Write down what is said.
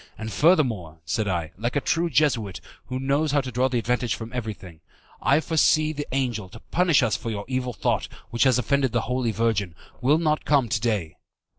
And, furthermore," said I, like a true Jesuit, who knows how to draw advantage from everything, "I foresee that the angel, to punish us for your evil thought, which has offended the Holy Virgin, will not come to day.